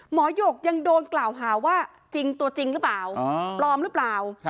หยกยังโดนกล่าวหาว่าจริงตัวจริงหรือเปล่าปลอมหรือเปล่า